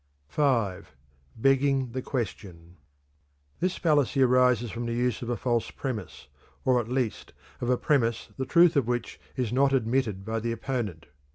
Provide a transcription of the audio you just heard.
V. Begging the Question. This fallacy arises from the use of a false premise, or at least of a premise the truth of which is not admitted by the opponent.